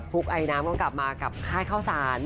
ุ๊กไอน้ำก็กลับมากับค่ายข้าวสาร